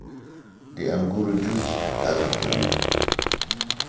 • د انګورو جوس تازه کوي.